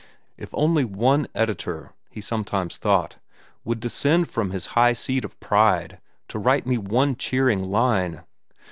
If only one editor, he sometimes thought, would descend from his high seat of pride to write me one cheering line!